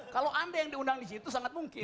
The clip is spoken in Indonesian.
kalau anda yang diundang disitu sangat mungkin